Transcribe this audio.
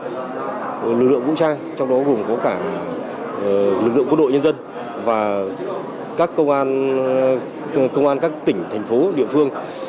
các lực lượng vũ trang trong đó gồm có cả lực lượng quân đội nhân dân và các công an các tỉnh thành phố địa phương